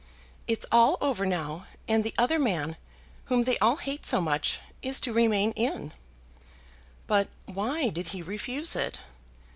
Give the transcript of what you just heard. It's all over now, and the other man, whom they all hate so much, is to remain in." "But why did he refuse it?"